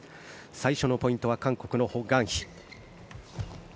最初のポイントは韓国のホ・グァンヒ。